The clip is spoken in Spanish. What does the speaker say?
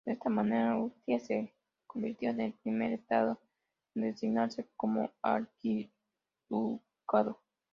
De esta manera, Austria se convirtió en el primer Estado en designarse como archiducado.